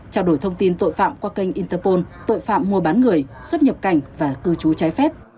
trao đổi thông tin tội phạm qua kênh interpol tội phạm mua bán người xuất nhập cảnh và cư trú trái phép